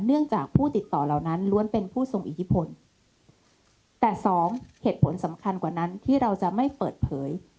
เนื่องจากผู้ติดต่อเหล่านั้นล้วนเป็นผู้ทรงอิทธิพลแต่สองเหตุผลสำคัญกว่านั้นที่เราจะไม่เปิดเผย